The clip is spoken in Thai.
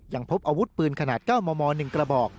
ยังพบอาวุธปืนขนาด๙มม๑กระบอก